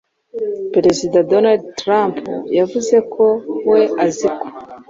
Perezida Donald Trump yavuze ko we azi ko "